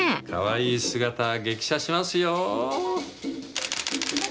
かわいい姿激写しますよ。